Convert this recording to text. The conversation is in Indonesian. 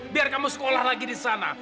biar kamu sekolah lagi di sana